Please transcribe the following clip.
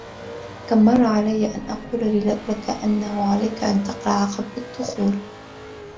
كم مرّة عليّ أن أقول لك أنّه عليك أن تقرع قبل الدّخول؟